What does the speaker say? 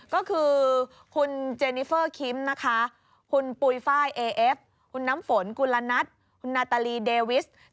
ก็คือคุณเจนิเฟอร์คิมนะคะคุณปุ๋ยไฟล์เอเอฟคุณน้ำฝนกุลนัทคุณนาตาลีเดวิส